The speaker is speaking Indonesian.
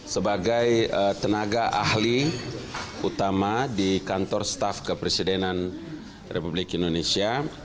sebagai tenaga ahli utama di kantor staff kepresidenan republik indonesia